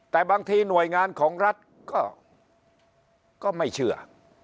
แต่บางทีหน่วยงานของรัฐก็ไม่เชื่อ